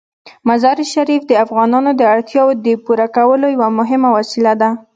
مزارشریف د افغانانو د اړتیاوو د پوره کولو یوه مهمه وسیله ده.